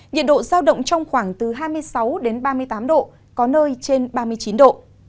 nhiệt độ giao động trong khoảng từ hai mươi sáu ba mươi tám độ có nơi trên ba mươi chín độ